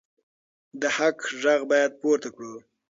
د حق غږ باید پورته کړو.